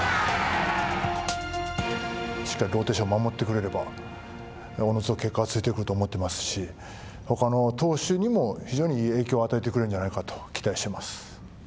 しっかりローテーションを守ってくれれば、おのずと結果はついてくると思ってますし、ほかの投手にも非常にいい影響を与えてくれるんじゃないかと期待してます。